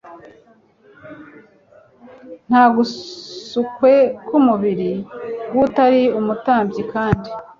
Ntagasukwe ku mubiri w utari umutambyi kandi